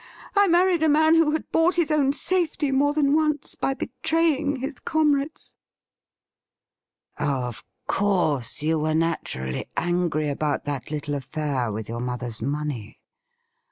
I married a man who had bought his own safety more than once by betraying his comrades.' ' Of course you were natiu ally angry about that little affair with your mother's money.